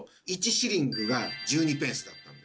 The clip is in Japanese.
シリングが１２ペンスだったんです。